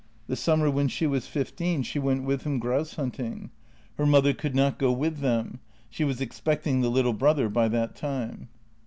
The summer when she was fifteen, she went with him grouse shooting. Her mother could not go with them: she was expecting the little brother by that time.